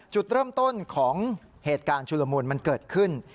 จุดเริ่มต้นของเหตุการณ์ชุลมูลมันเกิดขึ้น